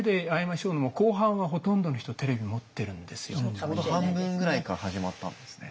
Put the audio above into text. ちょうど半分ぐらいから始まったんですね。